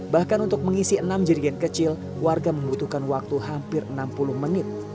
bahkan untuk mengisi enam jerigen kecil warga membutuhkan waktu hampir enam puluh menit